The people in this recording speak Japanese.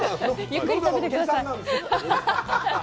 ゆっくり食べてください。